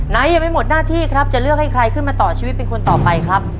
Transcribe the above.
ยังไม่หมดหน้าที่ครับจะเลือกให้ใครขึ้นมาต่อชีวิตเป็นคนต่อไปครับ